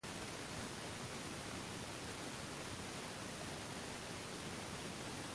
She earned a master's degree in education from Harvard University.